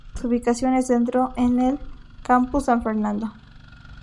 Su ubicación es dentro en el "Campus" San Fernando.